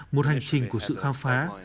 một hành trình của sự khám phá